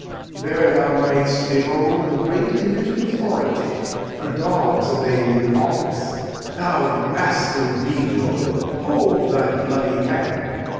There thou mightst behold the great image of authority: a dog's obeyed in office. Thou rascal beadle, hold thy bloody hand!